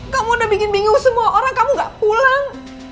kamu udah bikin bingung semua orang kamu gak pulang